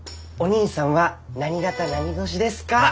お兄さんは何型何年ですか？